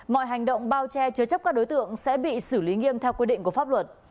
mọi hành động bao che chứa chấp các đối tượng sẽ bị xử lý nghiêm theo quy định của pháp luật